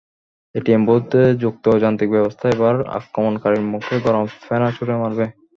ATM বুথে যুক্ত যান্ত্রিক ব্যবস্থা এবার আক্রমণকারীর মুখে গরম ফেনা ছুড়ে মারবে।